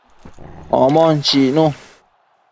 Omon chicnu